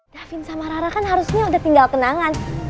davin sama rara kan harusnya udah tinggal kenangan